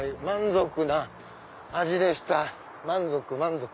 満足満足！